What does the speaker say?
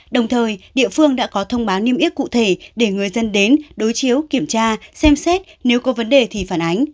đồng thời địa phương đã có thông báo niêm yết cụ thể để người dân đến đối chiếu kiểm tra xem xét nếu có vấn đề thì phản ánh